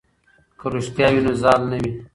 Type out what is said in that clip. که رښتیا وي نو زال نه وي.